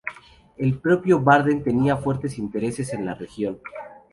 El propio Braden tenía fuertes intereses en la región.